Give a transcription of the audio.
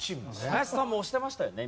林さんも押してましたよね